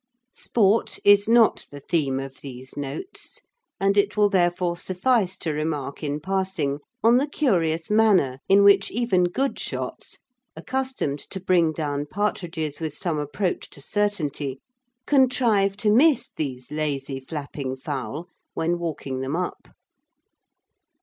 Sport is not the theme of these notes, and it will therefore suffice to remark in passing on the curious manner in which even good shots, accustomed to bring down partridges with some approach to certainty, contrive to miss these lazy, flapping fowl when walking them up.